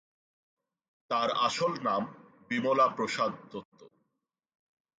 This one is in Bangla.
তার আসল নাম "বিমলা প্রসাদ দত্ত"।